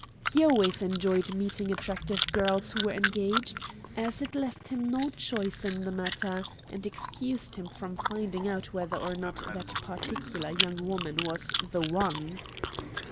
He always enjoyed meeting attractive girls who were engaged, as it left him no choice in the matter, and excused him from finding out whether or not that particular young woman was the one.